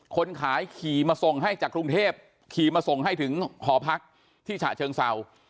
คนขายขี่มาส่งให้จากกรุงเทพขี่มาส่งให้ถึงหอพักที่ฉะเชิงเศร้า